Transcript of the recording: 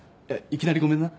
いきなりごめんな。